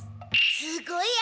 すごいや。